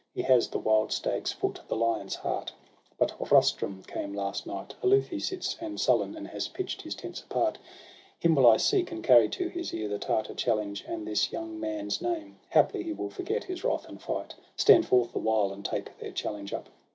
He has the wild stag's foot, the lion's heart. But Rustum came last night; aloof he sits And sullen, and has pitch'd his tents apart. SOHRAB AND RUSTUM. 91 Him will I seek, and carry to his ear The Tartar challenge, and this young man's name; Haply he will forget his wrath, and fight. Stand forth the while, and take their challenge up.'